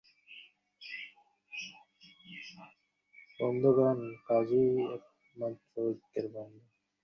কিন্তু টানা হরতাল-অবরোধে পরিবহন সমস্যায় সিরাজগঞ্জে দুধ পাঠানো সম্ভব হচ্ছে না।